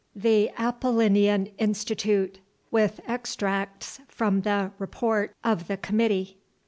THE APOLLINEAN INSTITUTE. (With Extracts from the "Report of the committee.")